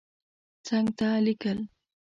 څنګ ته لیکل